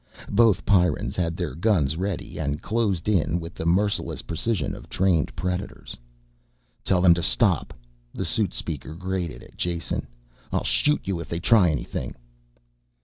Both Pyrrans had their guns ready and closed in with the merciless precision of trained predators. "Tell them to stop," the suit speaker grated at Jason. "I'll shoot you if they try anything."